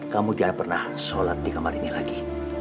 kamu tidak pernah sholat di kamar ini lagi